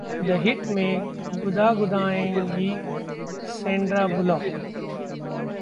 'the Heat' में गुदागुदाएंगी Sandra bullock